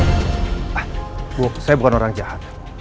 ah saya bukan orang jahat